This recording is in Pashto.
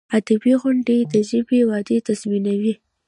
ادبي غونډي د ژبي وده تضمینوي.